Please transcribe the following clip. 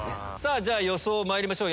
じゃ予想まいりましょう